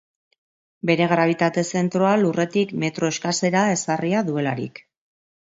Bere grabitate zentroa lurretik metro eskasera ezarria duelarik.